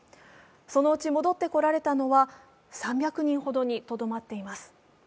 そのうち戻ってこられたのは３００人ほどにとどまっています。